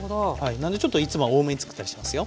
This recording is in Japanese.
なんでちょっといつもは多めにつくったりしますよ。